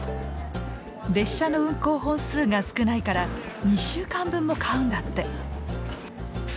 列車の運行本数が少ないから２週間分も買うんだって。